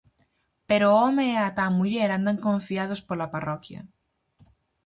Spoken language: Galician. Pero o home e ata a muller andan confiados pola parroquia.